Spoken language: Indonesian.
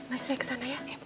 nanti saya kesana ya